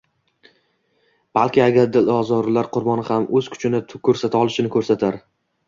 Balki agar dilozorlar qurbon ham o‘z kuchini ko‘rsata olishini ko‘rsalar